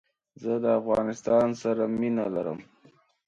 زه دافغانستان سره مينه لرم